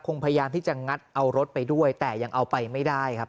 พยายามที่จะงัดเอารถไปด้วยแต่ยังเอาไปไม่ได้ครับ